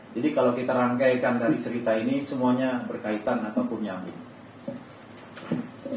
jadi kalau kita rangkaikan dari cerita ini semuanya berkaitan ataupun nyambung